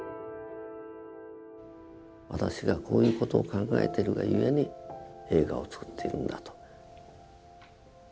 私がこういう事を考えてるがゆえに映画をつくっているんだと。